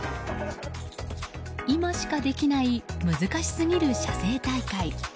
今しかできない難しすぎる写生大会。